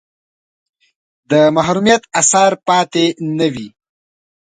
د محرومیت اثر پاتې نه وي.